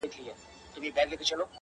که مي د دې وطن له کاڼي هم کالي څنډلي’